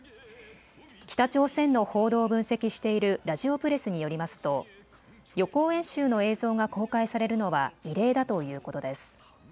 北朝鮮の報道を分析しているラヂオプレスによりますと予行演習の映像が公開されるのは異例だということです。